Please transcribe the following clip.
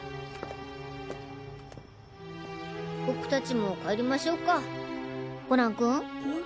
僕達も帰りましょうかコナン君？